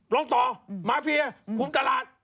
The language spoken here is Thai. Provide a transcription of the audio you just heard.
ลองต่อมาเฟียคุมตลาด